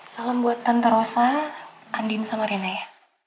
salam buat tante rosa andien sama rina ya